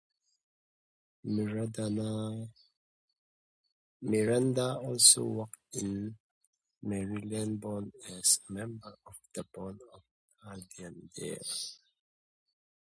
Miranda also worked in Marylebone as a member of the Board of Guardians there.